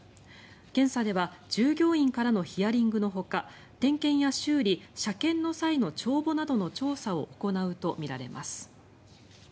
検査では従業員からのヒアリングのほか点検や修理、車検の際の帳簿の調査などを行うとみられます。